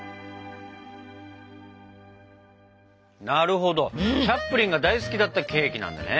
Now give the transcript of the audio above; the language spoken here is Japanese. なるほどチャップリンが大好きだったケーキなんだね。